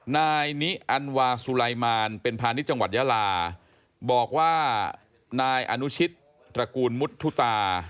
นายนิอันวาสุลัยมารเป็นพาณิชย์จังหวัดยาลาบอกว่านายอนุชิตตระกูลมุทุตา